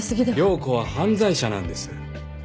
涼子は犯罪者なんです。